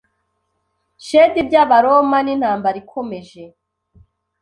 Shed by Abaroma n'intambara ikomeje